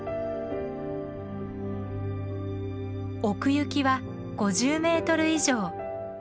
奥行きは５０メートル以上。